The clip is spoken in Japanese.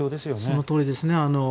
そのとおりですね。